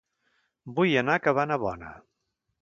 Vull anar a Cabanabona